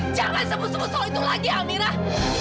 jangan sebut sebut itu lagi amirah